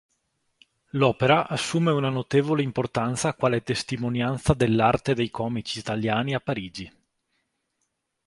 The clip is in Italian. L'opera assume una notevole importanza quale testimonianza dell'Arte dei Comici Italiani a Parigi.